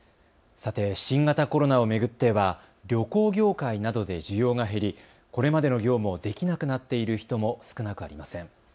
さて新型コロナを巡っては旅行業界などで需要が減りこれまでの業務をできなくなっている人も少なくありません。